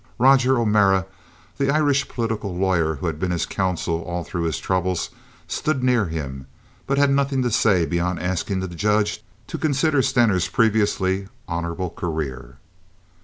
Roger O'Mara, the Irish political lawyer who had been his counsel all through his troubles, stood near him, but had nothing to say beyond asking the judge to consider Stener's previously honorable career.